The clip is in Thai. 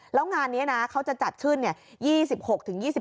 แล้วงานนี้นะเขาจะจัดขึ้น๒๖๒